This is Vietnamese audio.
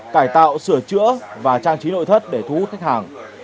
cải tạo sửa chữa và trang trí nội thất để thu hút khách hàng